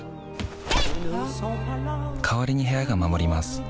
代わりに部屋が守ります